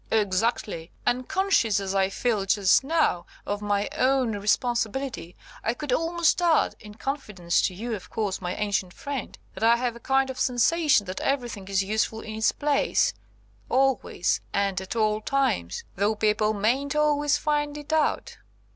"Exactly. And, conscious as I feel just now of my own responsibility, I could almost add, (in confidence to you, of course, my ancient friend,) that I have a kind of sensation that everything is useful in its place, always, and at all times, though people mayn't always find it out."